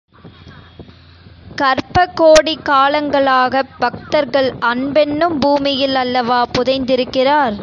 கற்ப கோடி காலங்களாகப் பக்தர்கள் அன்பென்னும் பூமியில் அல்லவா புதைந்திருக்கிறார்.